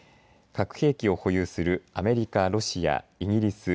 核兵器を保有するアメリカ、ロシア、イギリス